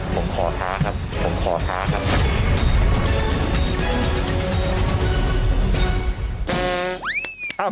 ผมขอท้าครับผมขอท้าครับ